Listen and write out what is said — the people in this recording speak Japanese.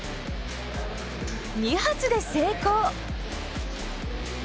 ２発で成功。